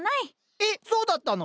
えっそうだったの？